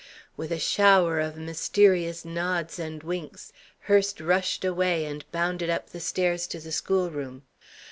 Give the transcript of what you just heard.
With a shower of mysterious nods and winks, Hurst rushed away and bounded up the stairs to the schoolroom.